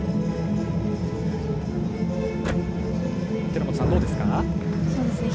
寺本さん、どうですか？